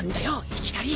いきなり！